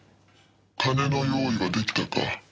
「金の用意は出来たか？」